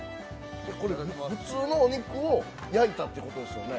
普通のお肉を焼いたってことですよね？